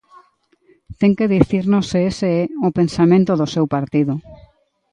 Ten que dicirnos se ese é o pensamento do seu partido.